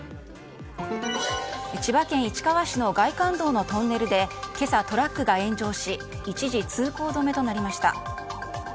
千葉県市川市の外環道のトンネルで今朝、トラックが炎上し一時通行止めとなりました。